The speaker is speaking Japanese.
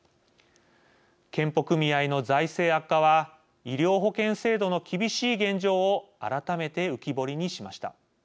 健保組合の財政悪化は医療保険制度の厳しい現状を改めて浮き彫りにしました。